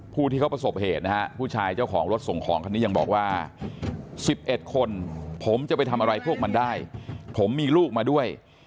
ผู้ที่เขาประสบเหตุนะฮะผู้ชายเจ้าของรถส่งของคันนี้ยังบอกว่า๑๑คนผมจะไปทำอะไรพวกมันได้ผมมีลูกมาด้วย